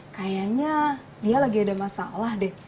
kayaknya dia lagi ada masalah deh